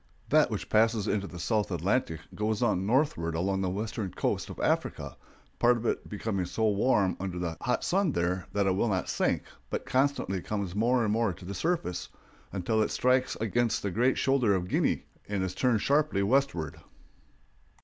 That which passes into the South Atlantic goes on northward along the western coast of Africa, part of it becoming so warm under the hot sun there that it will not sink, but constantly comes more and more to the surface, until it strikes against the great shoulder of Guinea and is turned sharply westward.